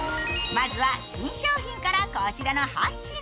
まずは新商品からこちらの８品。